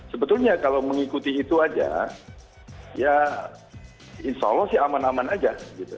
sebetulnya kalau mengikuti itu aja ya insya allah sih aman aman aja gitu